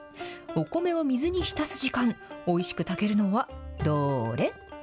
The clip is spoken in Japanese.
お米を水に浸す時間、おいしく炊けるのはどーれ？